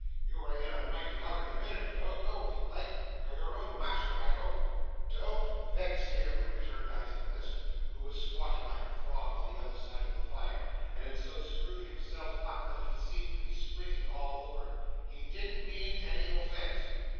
'You were in a mighty hurry a minute ago. Go, if you like. You're your own master, I hope?' 'Don't vex him,' returned Isaac List, who was squatting like a frog on the other side of the fire, and had so screwed himself up that he seemed to be squinting all over; 'he didn't mean any offence.